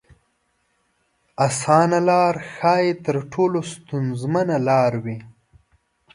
اسانه لار ښايي تر ټولو ستونزمنه لار وي.